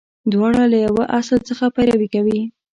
• دواړه له یوه اصل څخه پیروي کوي.